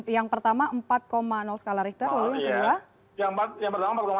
yang pertama empat skala richter lalu yang kedua